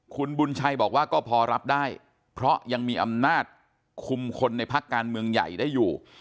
คุณบุญชัยบอกว่าก็พอรับได้เพราะยังมีอำนาจคุมคนในพักการเมืองใหญ่ได้อยู่